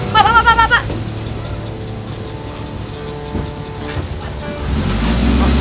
pak pak pak pak